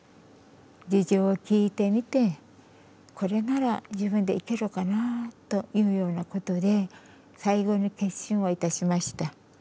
事情を聞いてみてこれなら自分で行けるかなというようなことで最後に決心をいたしました。